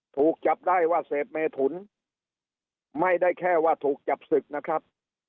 ถูกจับได้ว่าเสพเมถุนไม่ได้แค่ว่าถูกจับศึกนะครับ